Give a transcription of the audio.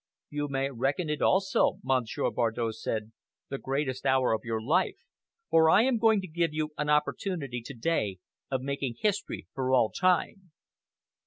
"You may reckon it, also," Monsieur Bardow said, "the greatest hour of your life, for I am going to give you an opportunity to day of making history for all time."